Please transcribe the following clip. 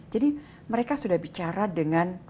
jadi mereka sudah bicara dengan